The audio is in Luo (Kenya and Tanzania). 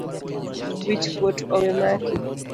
Wich kuot owemaki